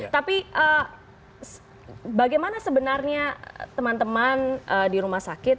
tapi bagaimana sebenarnya teman teman di rumah sakit